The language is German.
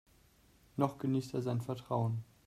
Noch genießt er sein Vertrauen.